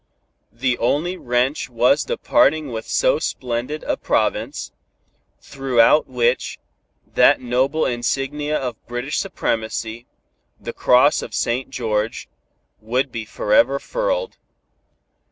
The only wrench was the parting with so splendid a province, throughout which, that noble insignia of British supremacy, the cross of St. George, would be forever furled.